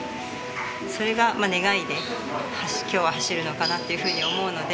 それが願いで、きょうは走るのかなというふうに思うので。